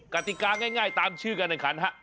กติกาง่ายตามชื่อการแบบร้านขัน